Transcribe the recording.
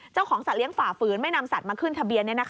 เจ้าของสัตว์เลี้ยงฝ่าฟื้นไม่นำสัตว์มาขึ้นทะเบียน